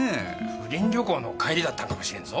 不倫旅行の帰りだったのかもしれんぞ？